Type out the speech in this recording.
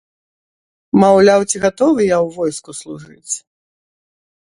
Маўляў, ці гатовы я ў войску служыць.